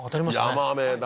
ヤマメだ